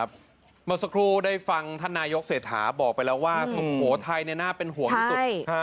เมื่อสักครู่ได้ฟังท่านนายกเศรษฐาบอกไปแล้วว่าสุโขทัยน่าเป็นห่วงที่สุด